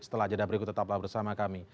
setelah jeda berikut tetaplah bersama kami